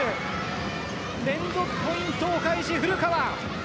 連続ポイント、お返し古川。